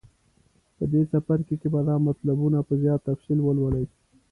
په دې څپرکي کې به دا مطلبونه په زیات تفصیل ولولئ.